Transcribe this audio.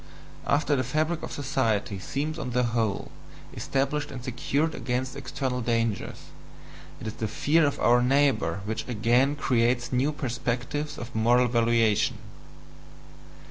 After the fabric of society seems on the whole established and secured against external dangers, it is this fear of our neighbour which again creates new perspectives of moral valuation.